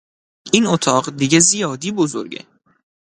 این اتاق دیگه زیادی بزرگه!